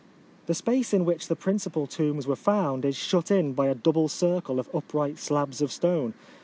The space in which the principal tombs were found is shut in by a double circle of upright slabs of stone.